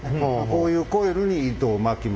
こういうコイルに糸を巻きます。